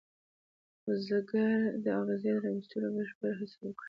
بزګر د اغزي را ویستلو بشپړه هڅه وکړه.